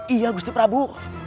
iya gusti prabu